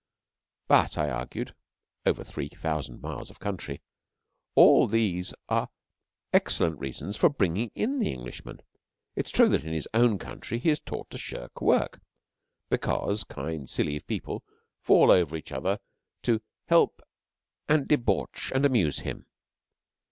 "' 'But,' I argued over three thousand miles of country, 'all these are excellent reasons for bringing in the Englishman. It is true that in his own country he is taught to shirk work, because kind, silly people fall over each other to help and debauch and amuse him.